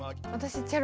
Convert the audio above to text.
チェロ！